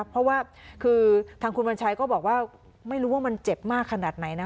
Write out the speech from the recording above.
เพราะว่าคือทางคุณวัญชัยก็บอกว่าไม่รู้ว่ามันเจ็บมากขนาดไหนนะ